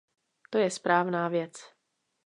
To je správná věc.